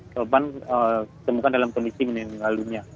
korban ditemukan dalam kondisi menengah mengalunya